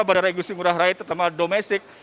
bandara regusi murah rai terutama domestik